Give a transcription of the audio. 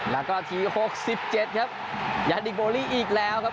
แล้วก็อาทิตย์หกสิบเจ็ดครับยานิกโบรี่อีกแล้วครับ